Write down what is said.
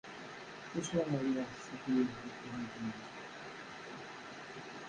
D acu ay yeɣs ad t-yeg umidi-nnek?